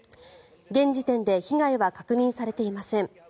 現時点で被害は確認されていません。